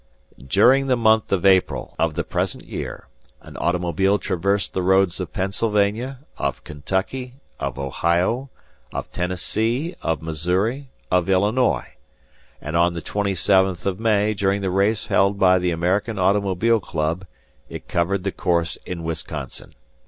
"During the month of April, of the present year, an automobile traversed the roads of Pennsylvania, of Kentucky, of Ohio, of Tennessee, of Missouri, of Illinois; and on the twenty seventh of May, during the race held by the American Automobile Club, it covered the course in Wisconsin.